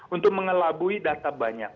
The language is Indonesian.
untuk mengelabui data banyak